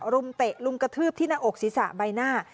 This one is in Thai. มเตะลุมกระทืบที่หน้าอกศีรษะใบหน้า